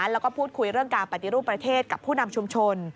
แล้วก็พูดคุยเรื่องการปฏิรูปประเทศกับผู้นำชุมชน